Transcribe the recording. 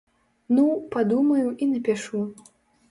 Ну, падумаю і напішу.